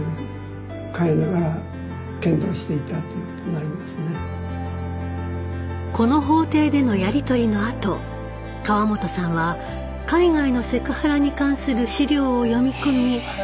うんなるほどこの法廷でのやり取りのあと川本さんは海外のセクハラに関する資料を読み込み